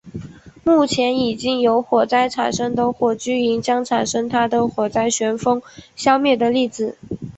目前已经有火灾产生的火积云将产生它的火灾旋风消灭的例子。